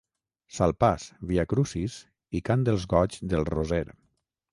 Salpàs, viacrucis i Cant dels goigs del Roser.